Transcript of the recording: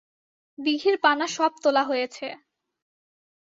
দিঘির পানা সব তোলা হয়েছে।